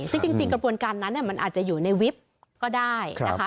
ซึ่งจริงกระบวนการนั้นมันอาจจะอยู่ในวิบก็ได้นะคะ